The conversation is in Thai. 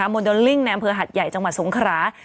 โมเดลลิ่งในอำเภอหัดใหญ่จังหวัดสงครา